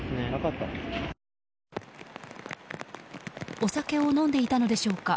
お酒を飲んでいたのでしょうか。